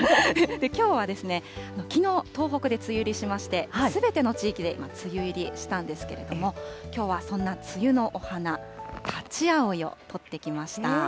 きょうはですね、きのう、東北で梅雨入りしまして、すべての地域で今、梅雨入りしたんですけれども、きょうはそんな梅雨のお花、タチアオイを撮ってきました。